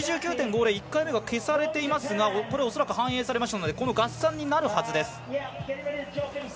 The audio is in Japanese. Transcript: ８９．５０１回目が消されていましたが恐らく反映されましたのでこの合算になるはずです。